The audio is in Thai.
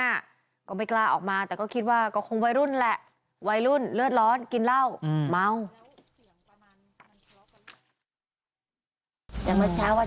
คือคู่ไม่กล้าออกมาแต่คิดว่าคงวัยรุ่นฤกษ์ร้อนกินเหล้าเมา